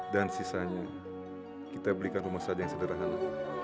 dan sisanya kita belikan rumah saja yang sederhana